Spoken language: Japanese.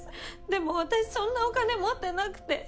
でも私そんなお金持ってなくて。